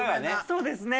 そうですね。